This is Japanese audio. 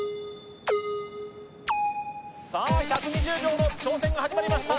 １２０秒の挑戦が始まりました。